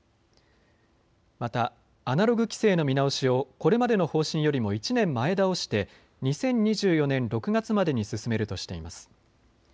またアナログ規制の見直しをこれまでの方針よりも１年前倒して２０２４年６月までに進めるとしています。